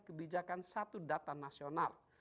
kebijakan satu data nasional